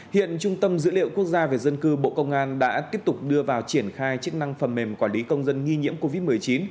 hiện trung tâm dữ liệu quốc gia về dân cư bộ công an đã tiếp tục đưa vào triển khai chức năng phần mềm quản lý công dân nghi nhiễm covid một mươi chín